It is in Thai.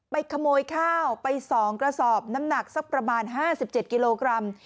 ไปขโมยข้าวไปสองกระศอกน้ำหนักประมาณ๕๗กิโลกรัม